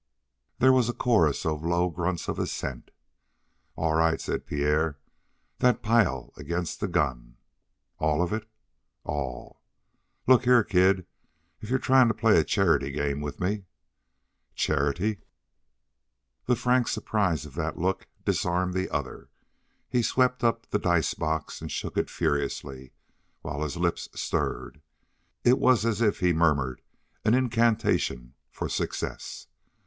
There was a chorus of low grunts of assent. "All right," said Pierre. "That pile against the gun." "All of it?" "All." "Look here, kid, if you're tryin' to play a charity game with me " "Charity?" The frank surprise of that look disarmed the other. He swept up the dice box, and shook it furiously, while his lips stirred. It was as if he murmured an incantation for success.